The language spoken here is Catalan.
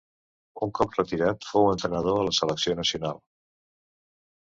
Un cop retirat fou entrenador a la selecció nacional.